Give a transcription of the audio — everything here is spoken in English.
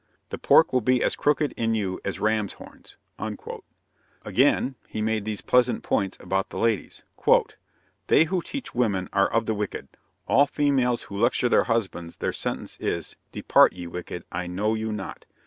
The pork will be as crooked in you as rams' horns." Again, he made these pleasant points about the ladies: "They who teach women are of the wicked. All females who lecture their husbands their sentence is: 'Depart, ye wicked, I know you not.'